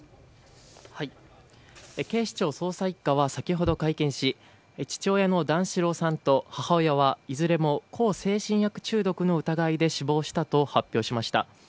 警視庁捜査１課は先ほど会見し父親の段四郎さんと母親はいずれも向精神薬中毒の疑いで死亡したと発表しました。